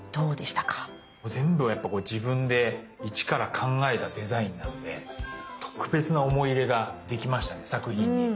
全部が自分で一から考えたデザインなんで特別な思い入れができましたね作品に。